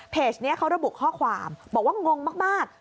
นี้เขาระบุข้อความบอกว่างงมาก